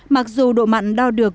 mặc dù độ mặn đo được